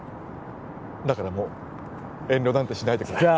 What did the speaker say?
だからもう遠慮なんてしないでください